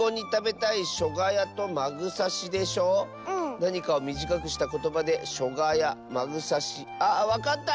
なにかをみじかくしたことばで「しょがや」「まぐさし」。あっわかった！